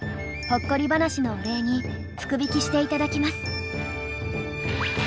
ほっこり話のお礼に福引きしていただきます。